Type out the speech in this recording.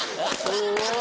すごい！